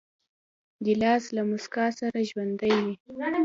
ګیلاس له موسکا سره ژوندی وي.